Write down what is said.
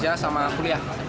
kerja sama kuliah